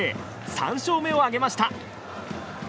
３勝目を挙げました。